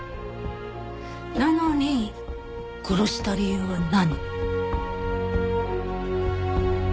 なのに殺した理由は何？